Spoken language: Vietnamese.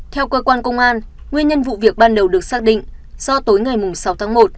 theo cơ quan công an nguyên nhân vụ việc ban đầu được xác định do tối ngày sáu tháng một